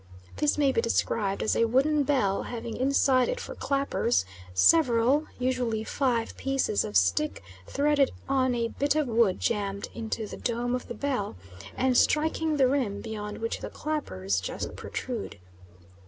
This may be described as a wooden bell having inside it for clappers several (usually five) pieces of stick threaded on a bit of wood jammed into the dome of the bell and striking the rim, beyond which the clappers just protrude.